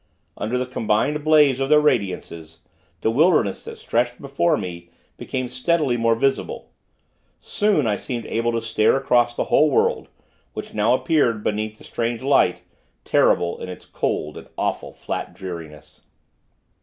Under the combined blaze of their radiances, the wilderness that stretched before me, became steadily more visible. Soon, I seemed able to stare across the whole world, which now appeared, beneath the strange light, terrible in its cold and awful, flat dreariness.